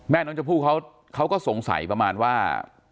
แม่น้องชมพู่เขาก็สงสัยประมาณว่า